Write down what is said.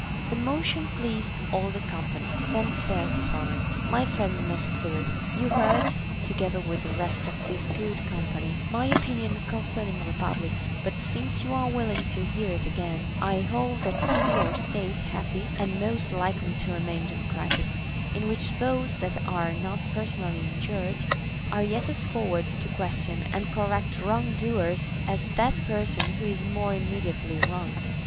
The motion pleased all the company ; then saith Solon : My friend Mnesiphilus, you heard, together with the rest of this good company, my opinion concerning republics ; but since you are willing to hear it again, I hold that city or state happy and most likely to remain democratic, in which those that are not person ally injured are yet as forward to question and correct wrong doers as that person who is more immediately wronged.